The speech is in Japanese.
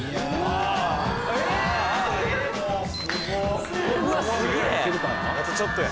あとちょっとや。